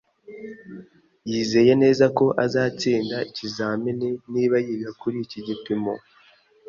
Yizeye neza ko azatsinda ikizamini niba yiga kuri iki gipimo.